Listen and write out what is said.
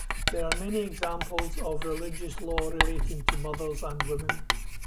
There are many examples of religious law relating to mothers and women.